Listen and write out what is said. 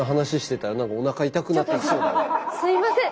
すいません。